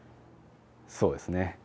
そうですね。